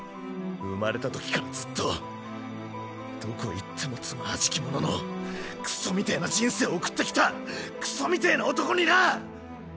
生まれたときからずっとどこ行ってもつまはじき者のクソみてぇな人生を送ってきたクソみてぇな男にな！